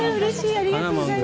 ありがとうございます。